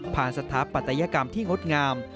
สถาปัตยกรรมที่งดงาม